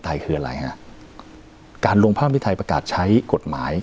ไทยคืออะไรฮะการลงภาพที่ไทยประกาศใช้กฎหมาย